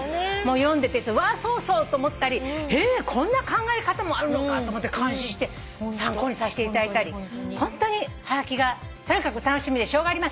読んでてうわっそうそうと思ったりへぇこんな考え方もあるのかと思って感心して参考にさせていただいたりホントにはがきがとにかく楽しみでしょうがありません。